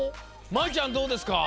まいちゃんどうですか？